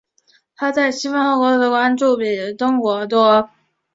她在西方得到的关注比在中国多。